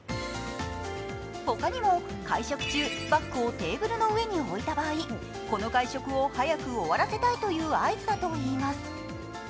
他にも、会食中、バッグをテーブルの上に置いた場合、この会食を早く終わらせたいという合図だといいます。